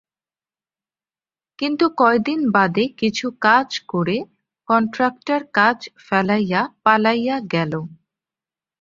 কিন্তু কয়দিন বাদে কিছু কাজ করে কন্ট্রাকটার কাজ ফেলাইয়া পালাইয়া গেইল।